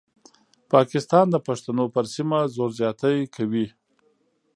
پاکستان د پښتنو پر سیمه زور زیاتی کوي.